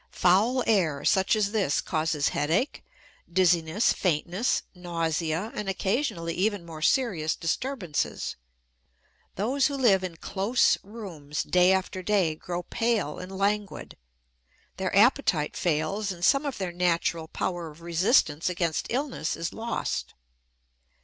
Foul air such as this causes headache, dizziness, faintness, nausea, and occasionally even more serious disturbances. Those who live in "close" rooms day after day grow pale and languid; their appetite fails and some of their natural power of resistance against illness is lost.